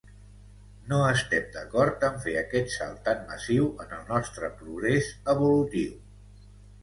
No estem d"acord en fer aquest salt tan massiu en el nostre progrés evolutiu.